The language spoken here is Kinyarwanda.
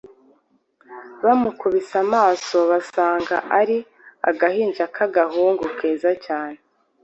bamukubise amaso basanga ari agahinja k'agahungu keza cyane.